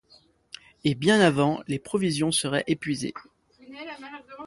Et, bien avant même, les provisions seraient épuisées!...